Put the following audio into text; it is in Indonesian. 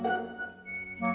ya ya gak